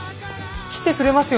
来てくれますよね？